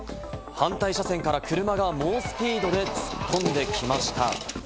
反対車線から車が猛スピードで突っ込んできました。